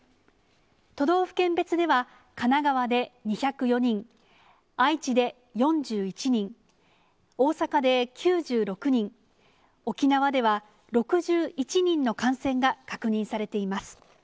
都道府県別では、神奈川で２０４人、愛知で４１人、大阪で９６人、沖縄では６１人の感染が確認されています。